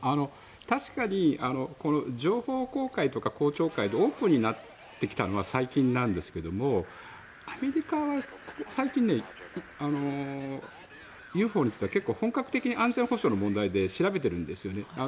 確かに情報公開とか公聴会でオープンになってきたのは最近なんですけどアメリカは最近、ＵＦＯについて本格的に安全保障の問題で調べているんですよね。